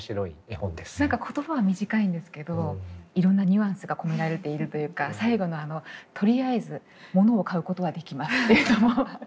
何か言葉は短いんですけどいろんなニュアンスが込められているというか最後のあのとりあえず「物」を買うことができますっていうのも何か。